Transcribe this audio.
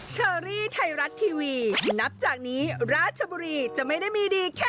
เชอรี่ไทยรัฐทีวีนับจากนี้ราชบุรีจะไม่ได้มีดีแค่